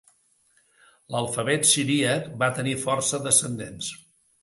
L'alfabet siríac va tenir força descendents.